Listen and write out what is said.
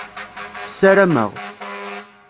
Ssarameɣ.